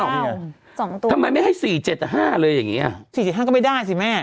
สองตัวทำไมไม่ให้สี่เจ็ดห้าเลยอย่างเงี้อ่ะสี่สิบห้าก็ไม่ได้สิแม่